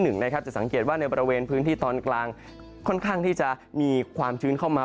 จะสังเกตว่าในบริเวณพื้นที่ตอนกลางค่อนข้างที่จะมีความชื้นเข้ามา